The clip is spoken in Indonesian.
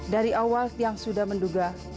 dari awal tiang sudah menduga